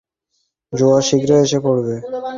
জোয়ার শীঘ্রই এসে পড়বে।